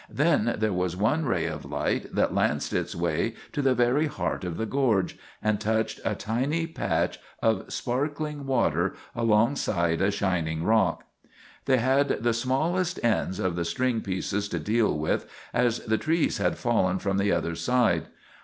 Then there was one ray of light that lanced its way to the very heart of the gorge, and touched a tiny patch of sparkling water alongside a shining rock. They had the smallest ends of the string pieces to deal with, as the trees had fallen from the other side.